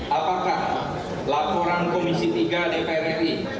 apakah laporan komisi tiga dpr ri